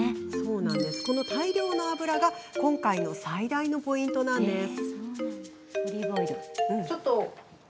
この大量の油が今回の最大のポイントなんです。